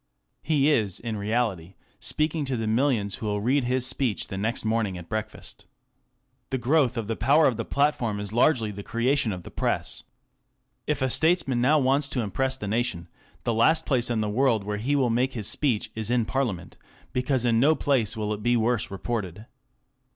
He is in reality speaking to the millions who will read his speech next morning at breakfast. The growth of the power of the Platform is largely the creation of the Press. If a statesman now wants to impress the nation, the last place in the world where he will make his speech is in Parliament, because in no place will it be worse reported.